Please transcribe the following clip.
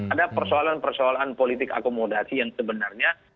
ada persoalan persoalan politik akomodasi yang sebenarnya